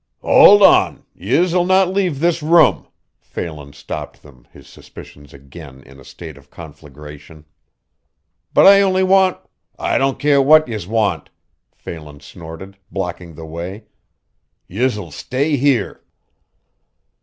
"Hold on! Yez'll not leave this room," Phelan stopped them, his suspicions again in a state of conflagration. "But I only want " "I don't care what yez want," Phelan snorted, blocking the way. "Yez'll stay here."